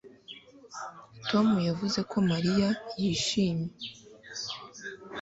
Tom yavuze ko Mariya yishimye